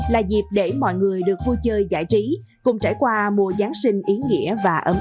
là dịp để mọi người được vui chơi giải trí cùng trải qua mùa giáng sinh ý nghĩa và ấm áp